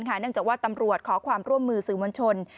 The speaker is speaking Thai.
เนื่องจากว่าตำรวจขอความร่วมมือสื่อมวลชน